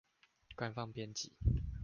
官方編輯